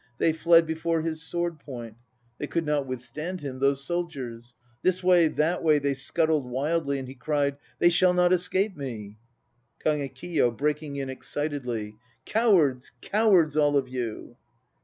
They fled before his sword point, They could not withstand him, those soldiers; This way, that way, they scuttled wildly, and he cried, "They shall not escape me!" KAGEKIYO (breaking in excitedly). Cowards, cowards all of you